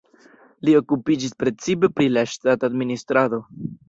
Li okupiĝis precipe pri la ŝtata administrado.